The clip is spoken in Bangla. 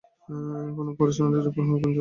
কোন পুরুষ নারীর উপর হুকুম চালাইবে না।